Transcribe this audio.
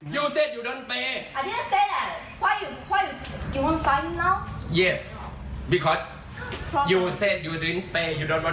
อยู่เสร็จอยู่โดนดูมั้ย